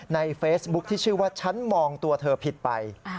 ในเฟซบุ๊คที่ชื่อว่าฉันมองตัวเธอผิดไป